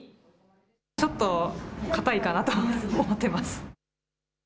ちょっと硬いかなと思ってます。